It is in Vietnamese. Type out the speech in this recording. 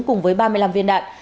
cùng với ba mươi năm người